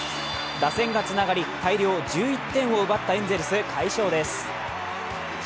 打線がつながり、大量１１点を奪ったエンゼルス、快勝です。